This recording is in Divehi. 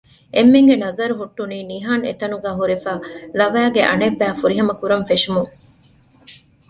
އެންމެންގެ ނަޒަރު ހުއްޓުނީ ނިހާން އެތަނުގައި ހުރެފައި ލަވައިގެ އަނެއްބައި ފުރިހަމަ ކުރަން ފެށުމުން